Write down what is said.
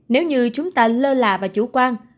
nếu như chúng ta lơ là và chủ quan